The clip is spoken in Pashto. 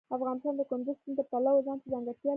افغانستان د کندز سیند د پلوه ځانته ځانګړتیا لري.